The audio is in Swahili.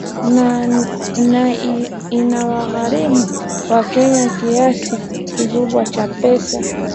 na inawagharimu wakenya kiasi kikubwa cha pesa